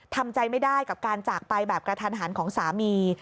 ทำใจไม่ได้กับการจากไปแบบกระทันหันของสามี